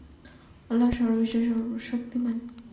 আল্লাহ সর্ববিষয়ে শক্তিমান।